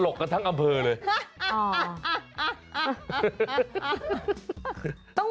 กกันทั้งอำเภอเลย